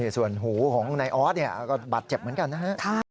ส่วนหูของนายออสก็บาดเจ็บเหมือนกันนะฮะ